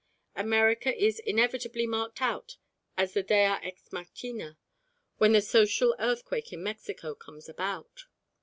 America is inevitably marked out as the dea ex machinâ when the social earthquake in Mexico comes about.